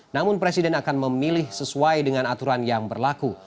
namun presiden akan memilih sesuai dengan aturan yang berlaku